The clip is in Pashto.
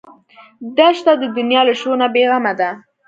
دښته د دنیا له شور نه بېغمه ده.